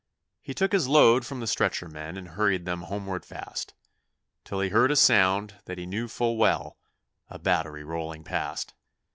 He took his load from the stretcher men and hurried 'em homeward fast Till he heard a sound that he knew full well a battery rolling past.